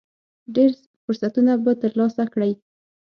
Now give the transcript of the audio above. ډېر فرصتونه به ترلاسه کړئ .